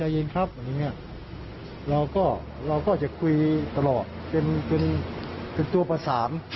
เราก็จะคุยตลอดเป็นตัวประสาน